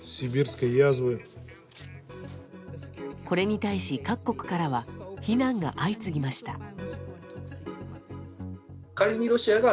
これに対し各国からは非難が相次ぎました。